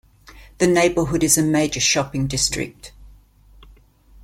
The neighborhood is a major shopping district.